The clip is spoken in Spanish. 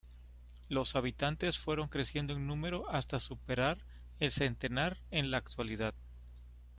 Los habitantes fueron creciendo en número hasta superar el centenar en la actualidad.